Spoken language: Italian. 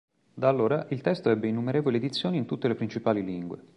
Da allora il testo ebbe innumerevoli edizioni in tutte le principali lingue.